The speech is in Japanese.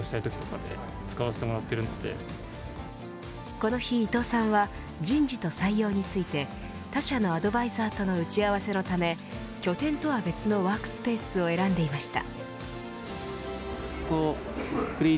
この日伊藤さんは人事と採用について他社のアドバイザーとの打ち合わせのため拠点とは別のワークスペースを選んでいました。